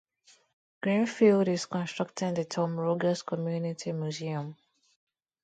Greenfield is constructing the Tom Rogers Community Museum.